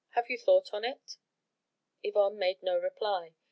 Have you thought on it?" Yvonne made no reply.